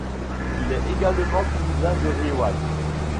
Il est également cousin de Riwall.